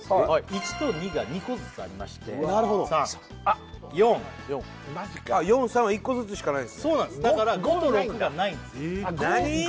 １と２が２個ずつありましてなるほど３４マジか４３は１個ずつしかないんすねそうなんですだから５と６がないんです何！？